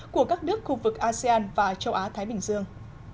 của các nước khu vực asean và châu á thái bình dương